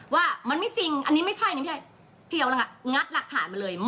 ว่ามันไม่จริงอันนี้ไม่ใช่นะพี่กำลังงัดหลักฐานมาเลย